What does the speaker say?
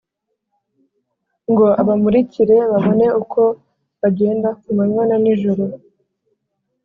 ngo abamurikire babone uko bagenda ku manywa na nijoro.